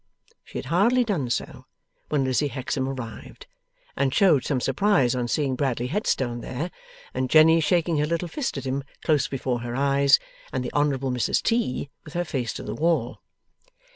She had hardly done so, when Lizzie Hexam arrived, and showed some surprise on seeing Bradley Headstone there, and Jenny shaking her little fist at him close before her eyes, and the Honourable Mrs T. with her face to the wall.